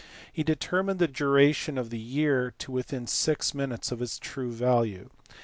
He determined the duration of the year to within six minutes of its true value.